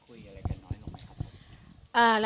คุยอะไรกันน้อยลงไหมครับ